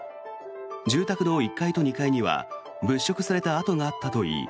住宅の１階と２階には物色された跡があったといい